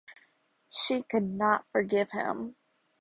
She could not forgive him.